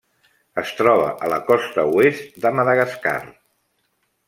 Es troba a la costa oest de Madagascar.